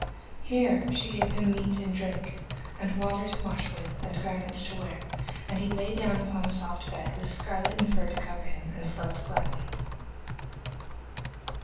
Here she gave him meat and drink, and water to wash with and garments to wear, and he lay down upon a soft bed, with scarlet and fur to cover him, and slept gladly.